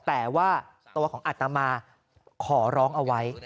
แต่ว่าตัวของอัตมาขอร้องเอาไว้